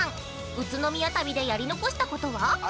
宇都宮旅でやり残したことは？